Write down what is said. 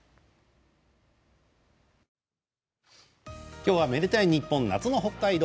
今日は「愛でたいｎｉｐｐｏｎ」夏の北海道。